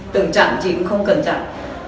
tự chặn chị cũng không cần chặn